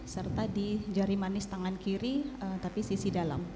serta di jari manis tangan kiri tapi sisi dalam